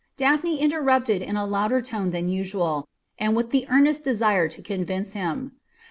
Daphne interrupted in a louder tone than usual, and with the earnest desire to convince him.